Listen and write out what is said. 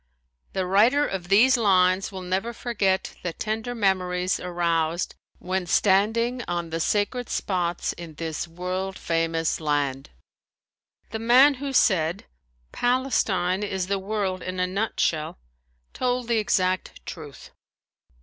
The writer of these lines will never forget the tender memories aroused when standing on the sacred spots in this world famous land. The man who said: "Palestine is the world in a nutshell," told the exact truth.